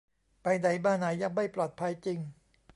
ไปไหนมาไหนยังไม่ปลอดภัยจริง